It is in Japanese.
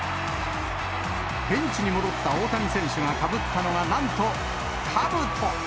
ベンチに戻った大谷選手がかぶったのがなんと、かぶと。